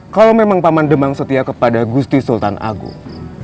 kalau memang paman demam setia kepada gusti sultan agung